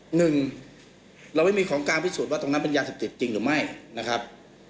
หนึ่งเราไม่มีของกลางพิสูจน์ว่าตรงนั้นเป็นยาเสพติดจริงหรือไม่นะครับ